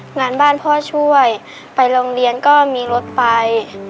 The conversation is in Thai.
งานบ้านพ่อช่วยไปโรงเรียนก็มีรถไป